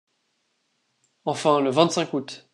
Enfin, le vingt-cinq août